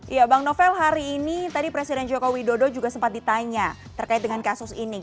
ya bang novel hari ini tadi presiden joko widodo juga sempat ditanya terkait dengan kasus ini